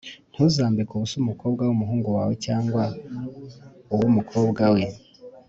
Ntuzambike ubusa umukobwa w umuhungu we cyangwa uw umukobwa we